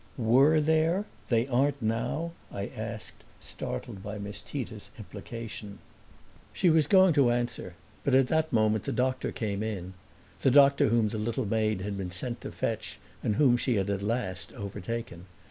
"WERE there they aren't now?" I asked, startled by Miss Tita's implication. She was going to answer, but at that moment the doctor came in the doctor whom the little maid had been sent to fetch and whom she had at last overtaken.